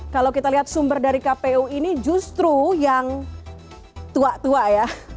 kalau kita lihat sumber dari kpu ini justru yang tua tua ya